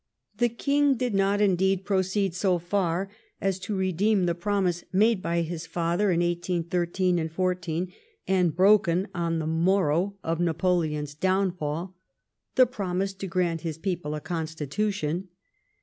The King did not indeed proceed so far as to redeem the promise made by his father in ] 813 14, and broken on the morrow of Napoleon's downfall — the promise to grant his people a Constitution.